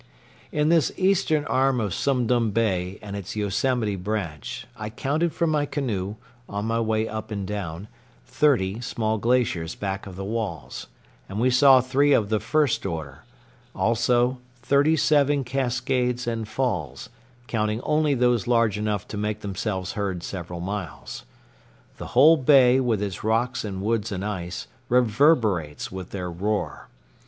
In this eastern arm of Sum Dum Bay and its Yosemite branch, I counted from my canoe, on my way up and down, thirty small glaciers back of the walls, and we saw three of the first order; also thirty seven cascades and falls, counting only those large enough to make themselves heard several miles. The whole bay, with its rocks and woods and ice, reverberates with their roar.